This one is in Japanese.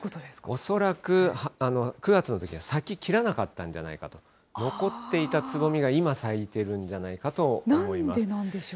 恐らく９月のときは咲き切らなかったんじゃないかと、残っていたつぼみが今咲いてるんじゃないかと思います。